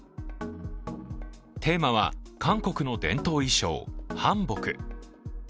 テーマは韓国の伝統衣装、韓服。